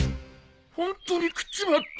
ホントに食っちまった。